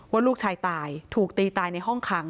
ว่าลูกชายตายถูกตีตายในห้องขัง